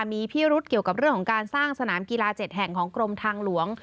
มีพิรุษเกี่ยวกับเรื่องของการสร้างสนามกีฬา๗แห่งของกรมทางหลวง